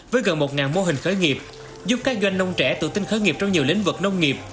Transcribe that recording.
với gần một mô hình khởi nghiệp giúp các doanh nông trẻ tự tin khởi nghiệp trong nhiều lĩnh vực nông nghiệp